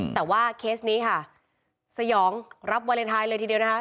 แต่ว่าเคสนี้ค่ะสยองรับวาเลนไทยเลยทีเดียวนะคะ